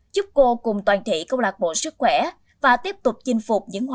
chúc cô cùng toàn thị câu lạc bộ sức khỏe và tiếp tục chinh phục những hoài bảo thiện lương cho đời